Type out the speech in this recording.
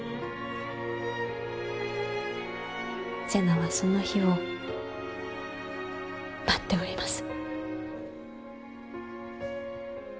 瀬名はその日を待っております。